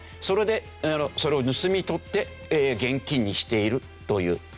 それでそれを盗み取って現金にしているという。